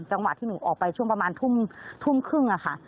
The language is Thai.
จังหวะที่หนูออกไปช่วงประมาณทุ่มครึ่งค่ะ